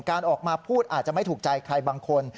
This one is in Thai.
การออกมาพูดอาจจะไม่ถูกใจใครบางคน